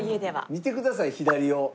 見てください左を。